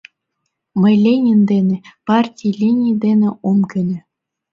— Мый Ленин дене, партий линий дене ом кӧнӧ.